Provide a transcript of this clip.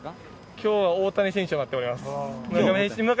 きょうは大谷選手を待っております。